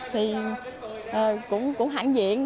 thì cũng hạnh diện